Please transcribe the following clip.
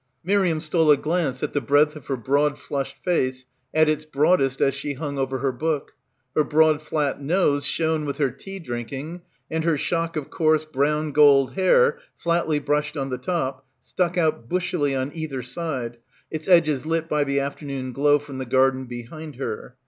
Miriam stole a glance at the breadth of her broad flushed face, at its broadest as she hung over her book. Her broad flat nose shone with her tea drinking, and her shock of coarse brown gold hair, flatly brushed on the top, stuck out bushily on either side, its edges lit by the after noon glow from the garden behind her.